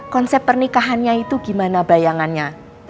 konsep pernikahannya itu gimana bayangannya